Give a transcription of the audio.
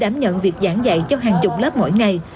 các trường đã nhận việc giảng dạy cho hàng chục lớp mỗi ngày